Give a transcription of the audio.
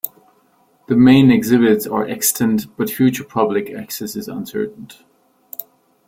The main exhibits are extant, but future public access is uncertain.